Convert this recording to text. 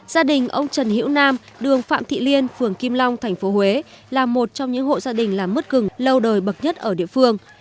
gia đình ông trần hiễu nam đường phạm thị liên phường kim long tp huế là một trong những hộ gia đình làm mứt gừng lâu đời bậc nhất ở địa phương